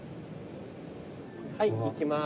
はい行きまーす。